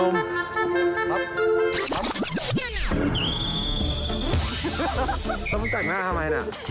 มันจัดหน้าทำไมน่ะ